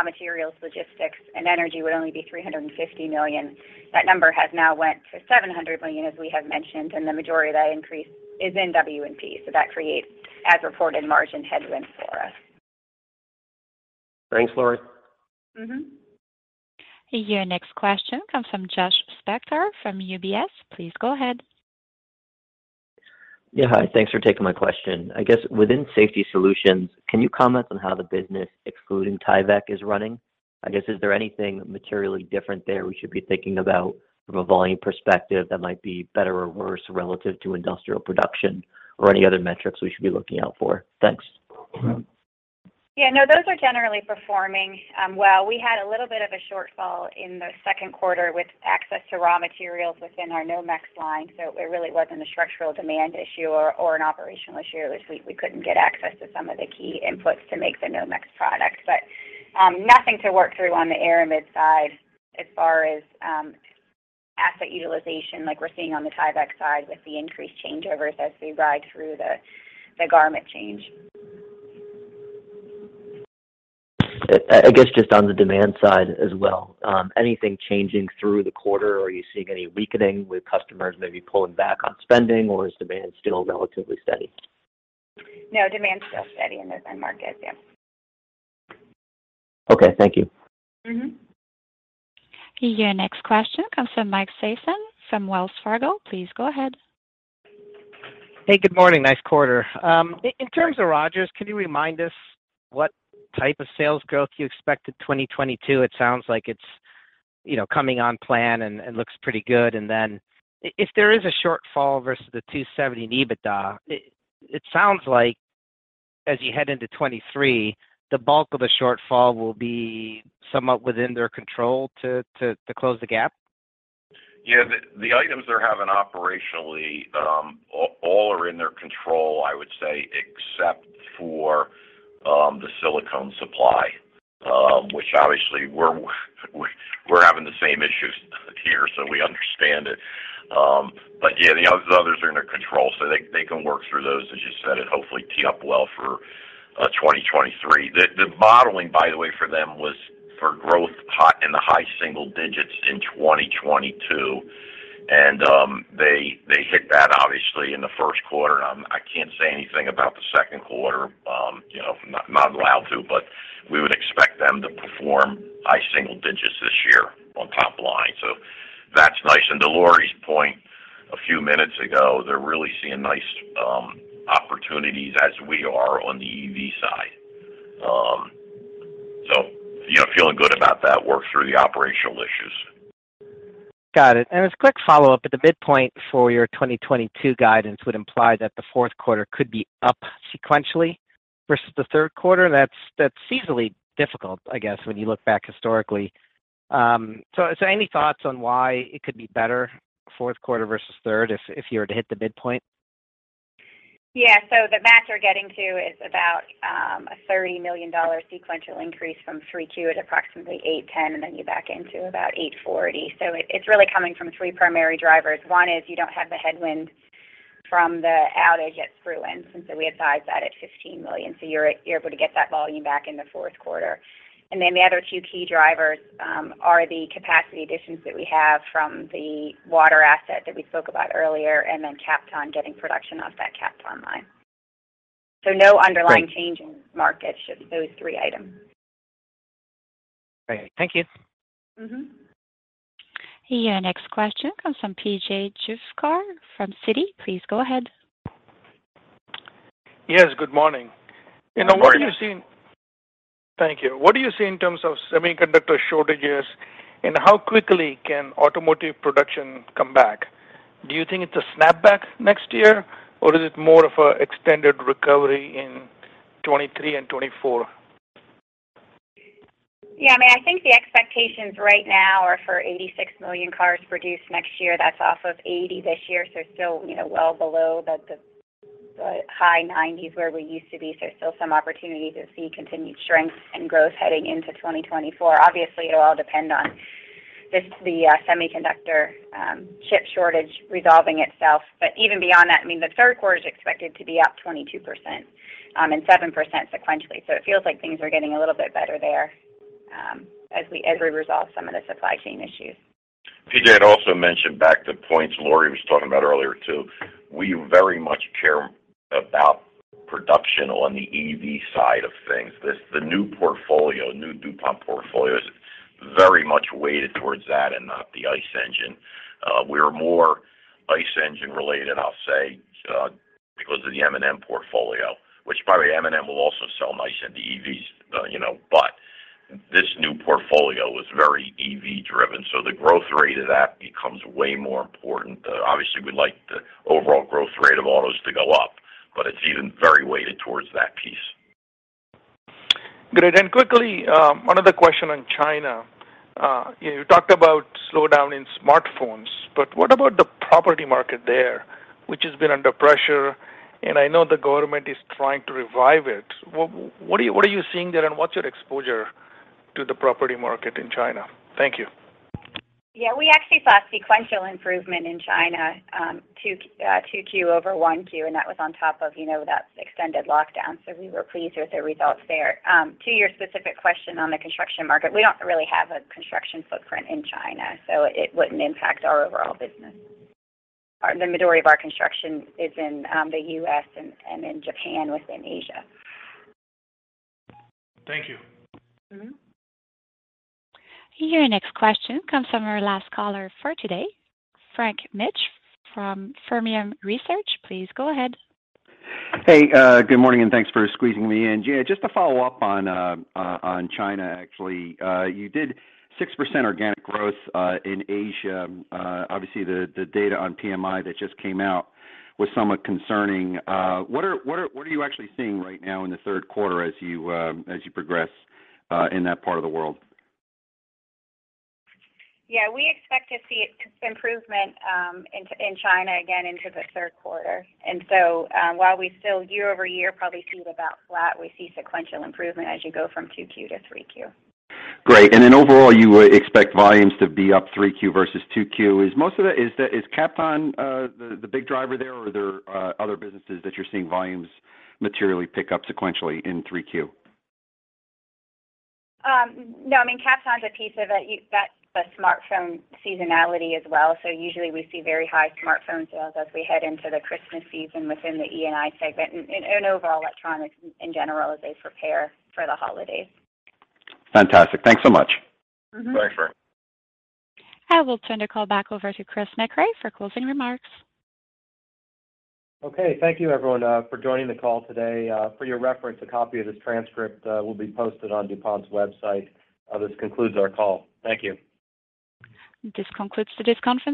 materials, logistics, and energy would only be $350 million. That number has now went to $700 million, as we have mentioned, and the majority of that increase is in W&P, so that creates as reported margin headwinds for us. Thanks, Lori. Your next question comes from Josh Spector from UBS. Please go ahead. Yeah. Hi. Thanks for taking my question. I guess within Safety Solutions, can you comment on how the business excluding Tyvek is running? I guess, is there anything materially different there we should be thinking about from a volume perspective that might be better or worse relative to industrial production or any other metrics we should be looking out for? Thanks. Yeah. No, those are generally performing well. We had a little bit of a shortfall in the second quarter with access to raw materials within our Nomex line, so it really wasn't a structural demand issue or an operational issue. It was we couldn't get access to some of the key inputs to make the Nomex product. Nothing to work through on the aramid side as far as asset utilization like we're seeing on the Tyvek side with the increased changeovers as we ride through the garment change. I guess just on the demand side as well, anything changing through the quarter? Are you seeing any weakening with customers maybe pulling back on spending, or is demand still relatively steady? No, demand's still steady in the end market, yeah. Okay, thank you. Your next question comes from Mike Sison from Wells Fargo. Please go ahead. Hey, good morning. Nice quarter. In terms of Rogers, can you remind us what type of sales growth you expect in 2022? It sounds like it's coming on plan and looks pretty good. If there is a shortfall versus the 270 EBITDA, it sounds like as you head into 2023, the bulk of the shortfall will be somewhat within their control to close the gap. Yeah, the items they're having operationally, all are in their control, I would say, except for the silicone supply, which obviously we're having the same issues here, so we understand it. Yeah, the others are under control, so they can work through those, as you said, and hopefully tee up well for 2023. The modeling, by the way, for them was for growth in the high single digits in 2022. They hit that obviously in the first quarter. I can't say anything about the second quarter, you know, I'm not allowed to. We would expect them to perform high single digits this year on top line. That's nice. To Lori's point a few minutes ago, they're really seeing nice opportunities as we are on the EV side. You know, feeling good about that, work through the operational issues. Got it. As a quick follow-up, at the midpoint for your 2022 guidance would imply that the fourth quarter could be up sequentially versus the third quarter. That's seasonally difficult, I guess, when you look back historically. So any thoughts on why it could be better fourth quarter versus third if you were to hit the midpoint? Yeah. The math you're getting to is about a $30 million sequential increase from Q3 at approximately $810, and then you back into about $840. It's really coming from three primary drivers. One is you don't have the headwind from the outage at Spruance, and so we had sized that at $15 million, so you're able to get that volume back in the fourth quarter. The other two key drivers are the capacity additions that we have from the water asset that we spoke about earlier and then Kapton getting production off that Kapton line. No underlying change in market, just those three items. Great. Thank you. Your next question comes from P.J. Juvekar from Citi. Please go ahead. Yes, good morning. Good morning. Thank you. What are you seeing in terms of semiconductor shortages, and how quickly can automotive production come back? Do you think it's a snapback next year, or is it more of an extended recovery in 2023 and 2024? Yeah, I mean, I think the expectations right now are for 86 million cars produced next year. That's off of 80 this year, so still, you know, well below the high 90s where we used to be. There's still some opportunity to see continued strength and growth heading into 2024. Obviously, it'll all depend on the semiconductor chip shortage resolving itself. Even beyond that, I mean, the third quarter is expected to be up 22% and 7% sequentially. It feels like things are getting a little bit better there as we resolve some of the supply chain issues. P.J., I'd also mention back to points Lori was talking about earlier too. We very much care about production on the EV side of things. This new DuPont portfolio is very much weighted towards that and not the ICE engine. We are more ICE engine related, I'll say, because of the M&M portfolio, which probably M&M will also sell nicely into EVs, you know. This new portfolio is very EV driven, so the growth rate of that becomes way more important. Obviously we'd like the overall growth rate of autos to go up, but it's even very weighted towards that piece. Great. Quickly, another question on China. You know, you talked about slowdown in smartphones, but what about the property market there, which has been under pressure, and I know the government is trying to revive it. What are you seeing there, and what's your exposure to the property market in China? Thank you. Yeah. We actually saw sequential improvement in China, Q1 over Q1, and that was on top of, you know, that extended lockdown. We were pleased with the results there. To your specific question on the construction market, we don't really have a construction footprint in China, so it wouldn't impact our overall business. The majority of our construction is in the U.S. and in Japan within Asia. Thank you. Your next question comes from our last caller for today, Frank Mitsch from Fermium Research. Please go ahead. Hey, good morning, and thanks for squeezing me in. Yeah, just to follow up on China, actually. You did 6% organic growth in Asia. Obviously the data on PMI that just came out was somewhat concerning. What are you actually seeing right now in the third quarter as you progress in that part of the world? Yeah. We expect to see improvement in China again into the third quarter. While we still year-over-year probably see it about flat, we see sequential improvement as you go from Q2 to Q3. Great. Overall, you would expect volumes to be up Q3 versus Q2. Is most of that Kapton, the big driver there, or are there other businesses that you're seeing volumes materially pick up sequentially in Q3? No. I mean, Kapton's a piece of it. That's the smartphone seasonality as well. Usually we see very high smartphone sales as we head into the Christmas season within the E&I segment and overall electronics in general as they prepare for the holidays. Fantastic. Thanks so much. Thanks, Frank. I will turn the call back over to Chris Mecray for closing remarks. Okay. Thank you everyone for joining the call today. For your reference, a copy of this transcript will be posted on DuPont's website. This concludes our call. Thank you. This concludes the discussion.